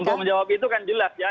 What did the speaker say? untuk menjawab itu kan jelas ya